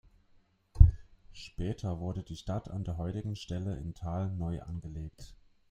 Später wurde die Stadt an der heutigen Stelle in Tal neu angelegt.